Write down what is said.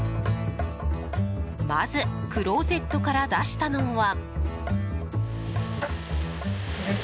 まずクローゼットから出したのは。